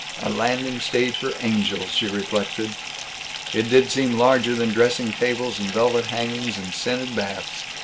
A landing stage for angels, she reflected. It did seem larger than dressing tables and velvet hangings and scented baths.